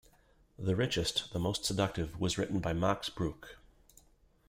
The richest, the most seductive, was written by Max Bruch.